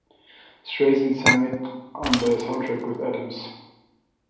Streisand sang it on the soundtrack with Adams.